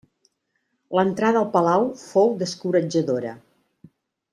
L'entrada al palau fou descoratjadora.